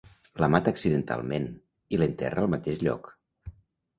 La mata accidentalment, i l'enterra al mateix lloc.